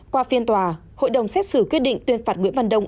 qua phiên tòa hội đồng xét xử quyết định tuyên phạt nguyễn văn đông